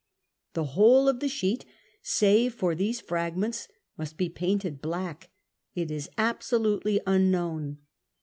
The whole of the sheet, save for these frag ments, must be painted black — it is absolutely unknown.